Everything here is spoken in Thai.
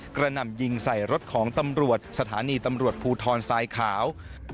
หนำยิงใส่รถของตำรวจสถานีตำรวจภูทรทรายขาว